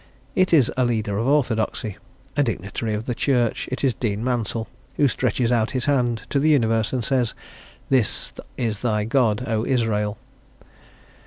It is a leader of orthodoxy, a dignitary of the Church; it is Dean Mansel who stretches out his hand to the universe and says, "This is thy God, O Israel."